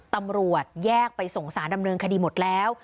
ตำรวจแยกไปส่งสารดำเนินคดีหมดแล้ว